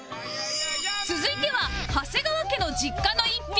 続いては長谷川家の実家の一品